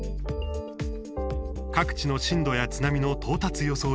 各地の震度や津波の到達予想